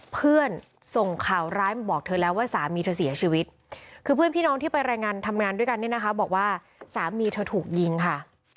เพื่อนส่งข่าวร้ายมาบอกเธอแล้วว่าสามีเธอเสียชีวิตคือเพื่อนพี่น้องที่ไปรายงานทำงานด้วยกันเนี่ยนะคะบอกว่าสามีเธอถูกยิงค่ะ